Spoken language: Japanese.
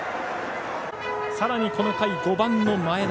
さらにこの回、５番の前田。